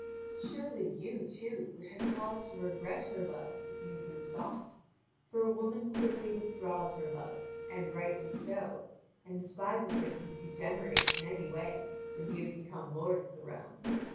Surely you, too, would have cause to regret her love if you grew soft, for a woman quickly withdraws her love, and rightly so, and despises him who degenerates in any way when he has become lord of the realm.